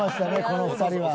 この２人は。